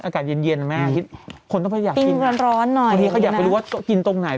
อากาศเย็นเย็นอ่ะแม่คุณต้องไปอยากกินติ้งร้อนร้อนหน่อยคนนี้เขาอยากไปรู้ว่ากินตรงไหน